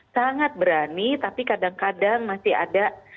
sangat berani tapi kadang kadang masih ada